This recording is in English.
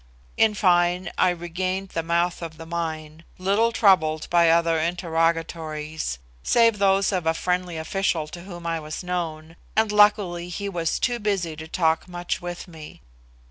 In fine, I regained the mouth of the mine, little troubled by other interrogatories; save those of a friendly official to whom I was known, and luckily he was too busy to talk much with me.